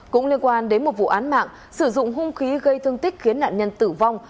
cũng liên quan đến một vụ án mạng sử dụng hung khí gây thương tích khiến nạn nhân tử vong